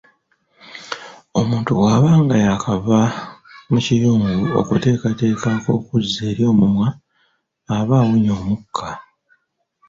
Omuntu bwaba nga yakava mu kiyungu okuteekateeka ak'okuzza eri omumwa, aba awunya omukka.